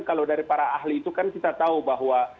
kalau dari para ahli itu kan kita tahu bahwa